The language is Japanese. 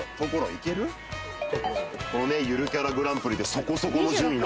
ゆるキャラグランプリでそこそこの順位の。